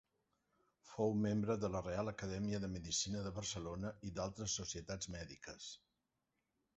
Fou membre de la Reial Acadèmia de Medicina de Barcelona i d’altres societats mèdiques.